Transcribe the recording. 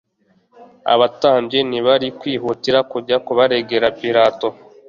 abatambyi ntibari kwihutira kujya kubaregera Pilato?